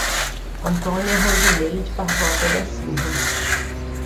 Antônia Rosineide Barbosa da Silva